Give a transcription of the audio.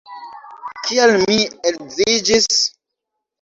Kial mi edziĝis?